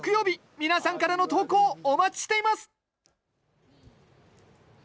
皆さんからの投稿、お待ちしています。